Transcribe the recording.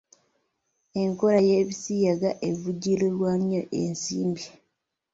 Enkola y’ebisiyaga evvujjiriddwa nnyo ensimbi.